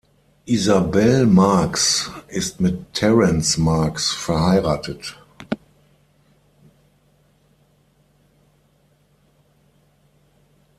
Isabel Marks ist mit Terrence Marks verheiratet.